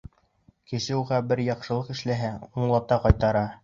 Кеше уға бер яҡшылыҡ эшләһә, унлата ҡайтара.